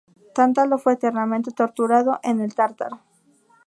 Tántalo fue eternamente torturado en el Tártaro.